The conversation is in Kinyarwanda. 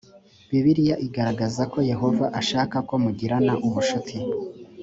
bibiliya igaragaza ko yehova ashaka ko mugirana ubucuti